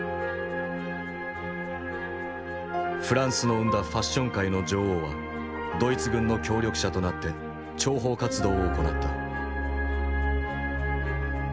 フランスの生んだファッション界の女王はドイツ軍の協力者となって諜報活動を行った。